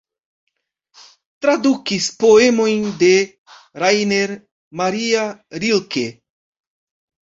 Tradukis poemojn de Rainer Maria Rilke.